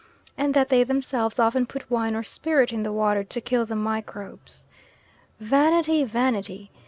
and that they themselves often put wine or spirit in the water to kill the microbes. Vanity, vanity!